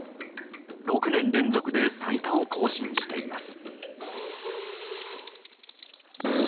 ６年連続で最多を更新しています。